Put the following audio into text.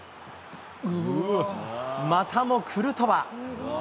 またもクルトワ。